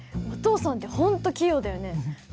お父さんって本当器用だよね。